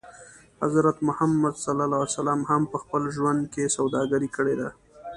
حضرت محمد ص هم په خپل ژوند کې سوداګري کړې ده.